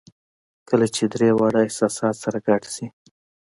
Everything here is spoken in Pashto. کله چې درې واړه احساسات سره ګډ شي